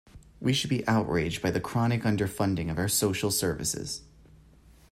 We should be outraged by the chronic underfunding of our social services.